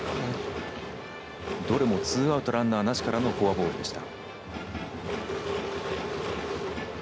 どれもツーアウトランナーなしからのフォアボールでした。